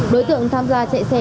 đối tượng tham gia chạy xe